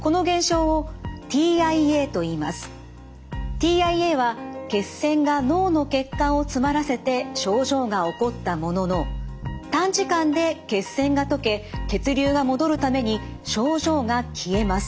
ＴＩＡは血栓が脳の血管を詰まらせて症状が起こったものの短時間で血栓が溶け血流が戻るために症状が消えます。